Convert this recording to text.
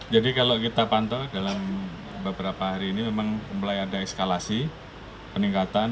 jadi kalau kita pantau dalam beberapa hari ini memang mulai ada eskalasi peningkatan